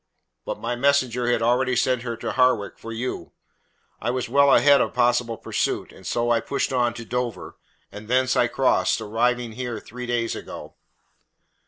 But my messenger had already sent her to Harwich for you. I was well ahead of possible pursuit, and so I pushed on to Dover, and thence I crossed, arriving here three days ago."